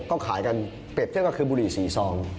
ก็ขายกันเป็ดเช่นก็คือบุหรี่สี่ซอง